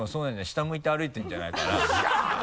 下向いて歩いてるんじゃないかな